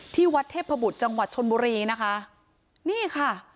ที่วัดเทพบุตรจังหวัดชนบุรีนะคะนี่ค่ะ